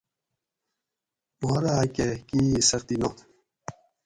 ما راۤکۤہ کۤئ سختی نات